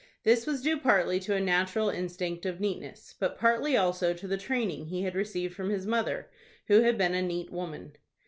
This was due partly to a natural instinct of neatness, but partly also to the training he had received from his mother, who had been a neat woman.